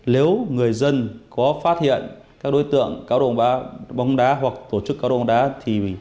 nếu người dân có phát hiện các đối tượng cao độ ống đá hoặc tổ chức cao độ ống đá thì